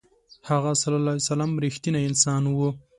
هغه ﷺ رښتینی انسان و.